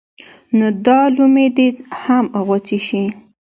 نو دا لومې دې هم غوڅې شي.